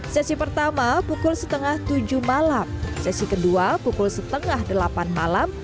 sesi pertama pukul setengah tujuh malam sesi kedua pukul setengah delapan malam